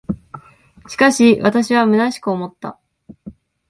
しかし、私は虚しく思った。